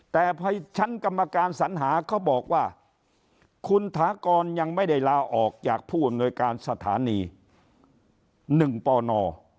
แต่พอชั้นกรรมการสัญหาเขาบอกว่าคุณถากรยังไม่ได้ลาออกจากผู้อำนวยการสถานี๑ปน